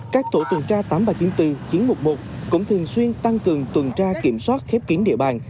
các tổ tuần tra tám nghìn ba trăm chín mươi bốn chín trăm một mươi một cũng thường xuyên tăng cường tuần tra kiểm soát khép kín địa bàn